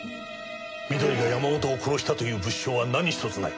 美登里が山本を殺したという物証は何ひとつない。